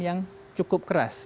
yang cukup keras